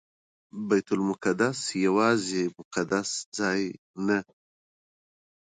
بیت المقدس یوازې یو مقدس ځای نه.